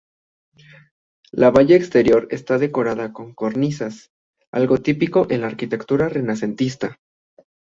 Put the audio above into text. La valla exterior está decorada con cornisas, algo típico en la arquitectura renacentista.